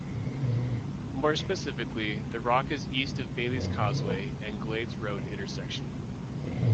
More specifically, the rock is east of the Bailey's Causeway and Glades Road intersection.